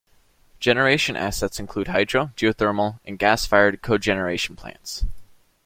Generation assets include hydro, geothermal and gas fired cogeneration plants.